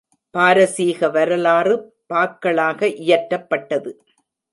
பாரசீக வரலாறு பாக்களாக இயற்றப்பட்டது.